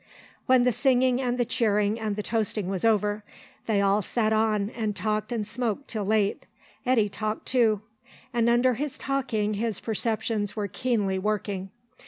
When the singing and the cheering and the toasting was over, they all sat on and talked and smoked till late. Eddy talked too. And under his talking his perceptions were keenly working.